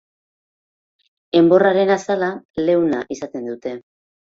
Enborraren azala leuna izaten dute.